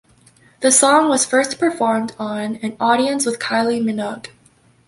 The song was first performed on "An Audience With Kylie Minogue".